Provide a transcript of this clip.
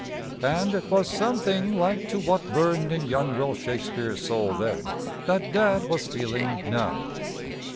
And it was something like to what burned in young Will Shakespeare's soul then that Dad was feeling now.